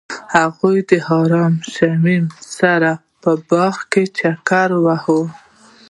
هغوی د آرام شمیم سره په باغ کې چکر وواهه.